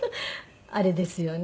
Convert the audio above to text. あれですよね。